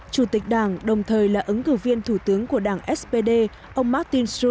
xin chào và hẹn gặp lại